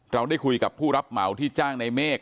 เราได้คุยกับผู้รับเหมาที่จ้างในเมฆ